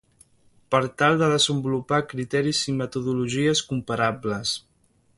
per tal de desenvolupar criteris i metodologies comparables